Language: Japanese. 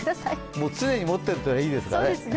もう常に持っているというのがいいですね。